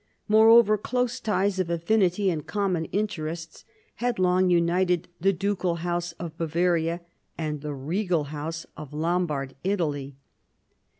Moreover, close ties of affinity and common interests had long united the ducal house of Bavaria and the regal house of Lombard Italy.